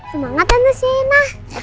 semangat tante siena